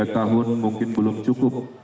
dua puluh tiga tahun mungkin belum cukup